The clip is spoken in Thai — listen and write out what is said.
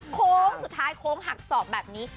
โค้งสุดท้ายโค้งหักศอกแบบนี้